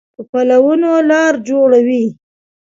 په پلونو لار جوړوي